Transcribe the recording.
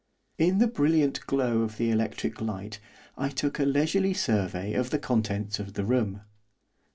In the brilliant glow of the electric light I took a leisurely survey of the contents of the room.